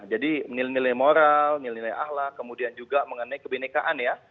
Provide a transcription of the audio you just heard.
jadi menilai nilai moral nilai ahlak kemudian juga mengenai kebenekaan ya